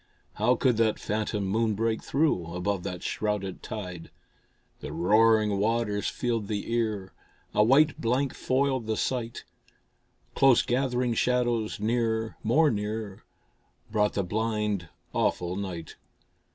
How could that phantom moon break through, Above that shrouded tide? The roaring waters filled the ear, A white blank foiled the sight. Close gathering shadows near, more near, Brought the blind, awful night.